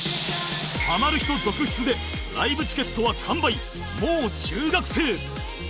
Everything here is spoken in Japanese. ハマる人続出でライブチケットは完売もう中学生